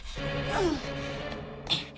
うん。